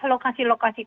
kita sudah menampilkan